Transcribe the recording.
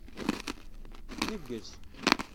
Nneggez.